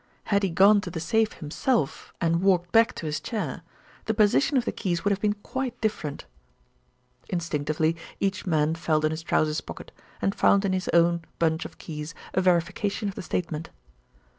Had he gone to the safe himself and walked back to his chair, the position of the keys would have been quite different." Instinctively each man felt in his trousers pocket, and found in his own bunch of keys a verification of the statement.